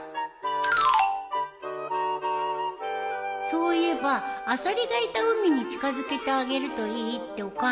そういえばアサリがいた海に近づけてあげるといいってお母さん言ってたね。